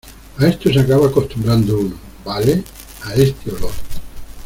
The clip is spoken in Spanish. a esto se acaba acostumbrando uno, ¿ vale? a este olor.